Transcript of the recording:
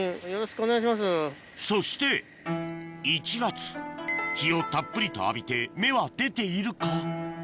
そして１月日をたっぷりと浴びて芽は出ているか？